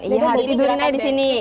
iya ditidurin aja di sini